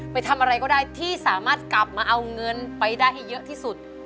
ไปทำอะไรก็ได้ที่สามารถกลับมาเอาเงินไปได้ให้เยอะที่สุด